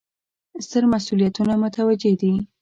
ستر مسوولیتونه متوجه دي.